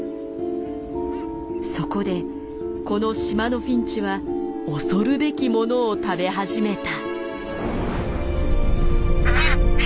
そこでこの島のフィンチは恐るべき物を食べ始めた。